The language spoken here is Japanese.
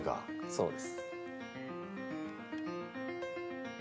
そうです。